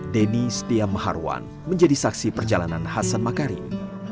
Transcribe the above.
deni setia maharwan menjadi saksi perjalanan hasan makarim